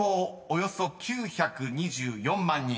およそ９２４万人］